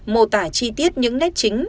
mô tả chi tiết những nét chính